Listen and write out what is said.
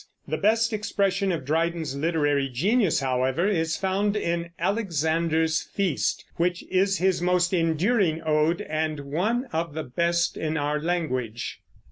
The best expression of Dryden's literary genius, however, is found in "Alexander's Feast," which is his most enduring ode, and one of the best in our language.